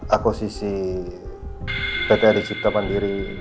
akosisi pt adi cipta pandiri